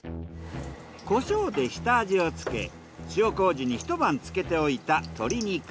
コショウで下味をつけ塩糀に一晩漬けておいた鶏肉。